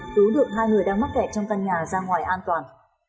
cứu được hai người đang mắc kẹt trong căn nhà ra ngoài an toàn